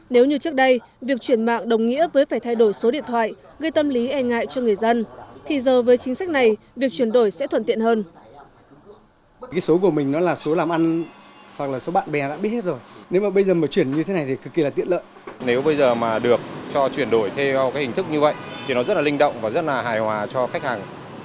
nếu như trước đây việc chuyển mạng đồng nghĩa với phải thay đổi số điện thoại gây tâm lý e ngại cho người dân thì giờ với chính sách này việc chuyển đổi sẽ thuận tiện hơn